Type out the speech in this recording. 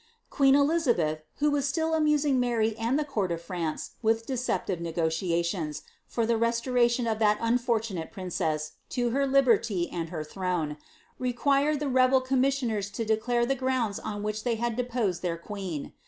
Queen Elizabeth, who was still amusing Mary and the court of France with deceptive negotiations, for the restoration of that anfortunate princess to her liberty and her throne, required the rebel commissioners to declare the grounds on which they had deposed their qneen.